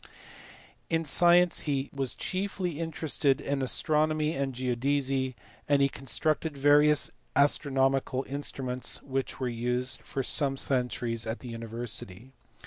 C. In science he was chiefly interested in astronomy and geodesy, and he constructed various astronomical instruments which were used for some centuries at the university.